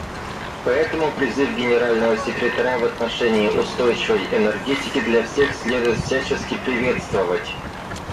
Поэтому призыв Генерального секретаря в отношении устойчивой энергетики для всех следует всячески приветствовать.